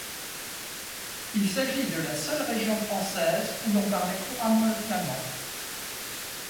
Il s’agit de la seule région française où l’on parlait couramment le flamand.